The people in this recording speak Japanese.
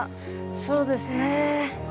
そうですね。